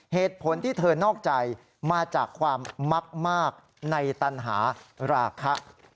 เหตุผลที่เธอนอกใจมาจากความมักมากในตันหาราคา